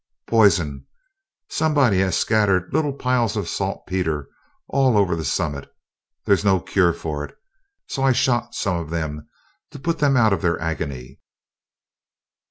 "Poison. Somebody has scattered little piles of saltpeter all over the summit. There's no cure for it, so I shot some of them to put them out of their agony."